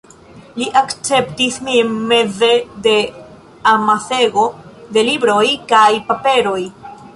Li akceptis min meze de amasego de libroj kaj paperoj.